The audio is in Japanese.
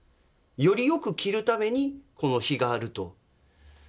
よりよく切るためにこの樋があると。